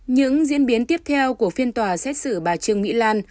những diễn biến tiếp theo của phiên tòa xét xử bà trương mỹ lan